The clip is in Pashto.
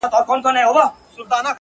خو دې زما د مرگ د اوازې پر بنسټ،